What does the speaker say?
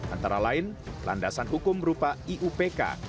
antara lain landasan hukum berupa iupk